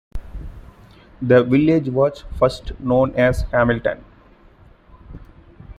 The village was first known as Hamilton.